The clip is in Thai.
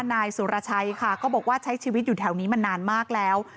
นายสุรชัยค่ะก็บอกว่าใช้ชีวิตอยู่แถวนี้มานานมากแล้ว